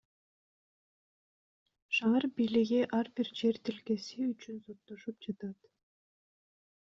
Шаар бийлиги ар бир жер тилкеси үчүн соттошуп жатат.